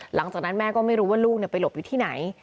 หลังจากนั้นแม่ก็ไม่รู้ว่าลูกไปหลบอยู่ที่ไหน